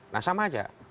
nah sama saja